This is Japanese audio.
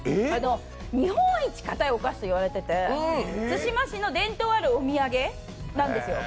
日本一かたいお菓子と言われていて津島市の伝統のお土産なんですよ。